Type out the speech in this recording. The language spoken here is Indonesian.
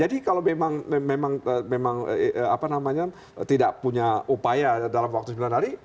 jadi kalau memang tidak punya upaya dalam waktu sembilan hari